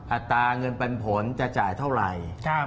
อัตราเงินปันผลจะจ่ายเท่าไหร่